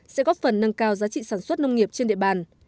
sẽ góp phần nâng cao giá trị sản xuất nông nghiệp trên địa bàn